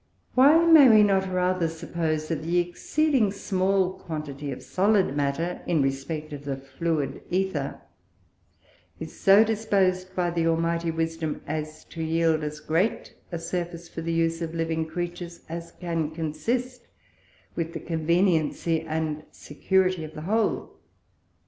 Why may not we rather suppose that the exceeding small quantity of solid Matter, in respect of the fluid Æther, is so dispos'd by the Almighty Wisdom, as to yield as great a Surface for the use of living Creatures, as can consist with the conveniency and security of the whole?